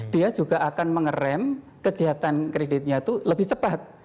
dia juga akan mengerem kegiatan kreditnya itu lebih cepat